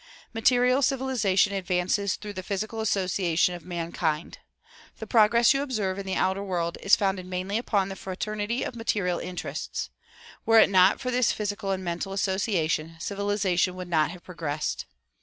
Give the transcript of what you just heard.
Material civilization ad vances through the physical association of mankind. The progress you observe in the outer world is founded mainly upon the frater nity of material interests. Were it not for this physical and mental association civilization would not have progressed.